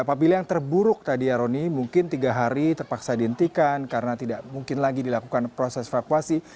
apabila yang terburuk tadi ya roni mungkin tiga hari terpaksa dihentikan karena tidak mungkin lagi dilakukan proses evakuasi